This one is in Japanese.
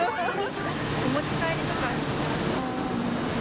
お持ち帰りとかしたい。